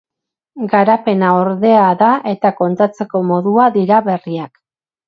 Garapena ordea da eta kontatzeko modua dira berriak.